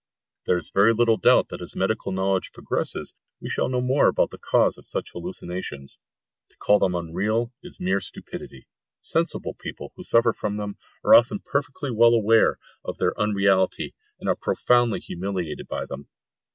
There is very little doubt that as medical knowledge progresses we shall know more about the cause of such hallucinations. To call them unreal is mere stupidity. Sensible people who suffer from them are often perfectly well aware of their unreality, and are profoundly humiliated by them.